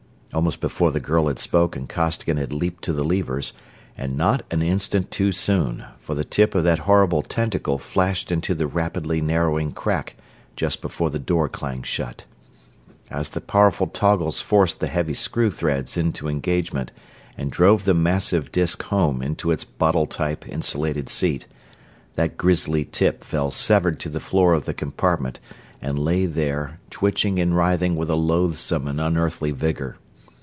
Almost before the girl had spoken Costigan had leaped to the levers, and not an instant too soon; for the tip of that horrible tentacle flashed into the rapidly narrowing crack just before the door clanged shut. As the powerful toggles forced the heavy screw threads into engagement and drove the massive disk home into its bottle tight, insulated seat, that grisly tip fell severed to the floor of the compartment and lay there, twitching and writhing with a loathsome and unearthly vigor.